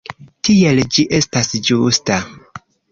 Tiel ĝi estas ĝusta.